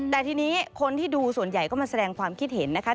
แต่ทีนี้คนที่ดูส่วนใหญ่ก็มาแสดงความคิดเห็นนะคะ